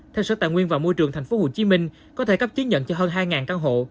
theo sở tài nguyên và môi trường tp hcm có thể cấp chứng nhận cho hơn hai căn hộ